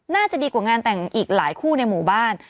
น่าจะดีกว่างานแต่งอีกหลายคู่ในหมู่บ้าน